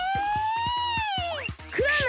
クラム！